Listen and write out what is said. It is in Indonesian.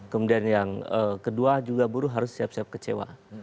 kemudian yang kedua juga buruh harus siap siap kecewa